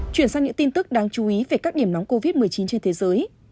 chuyển sang những tin tức đáng chú ý về các điểm nóng covid một mươi chín trên thế giới